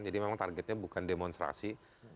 jadi memang targetnya bukan demonstrasi